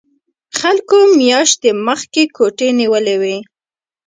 خلکو میاشتې مخکې کوټې نیولې وي